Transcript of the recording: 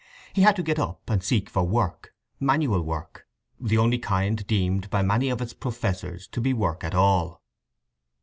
He had to get up, and seek for work, manual work; the only kind deemed by many of its professors to be work at all.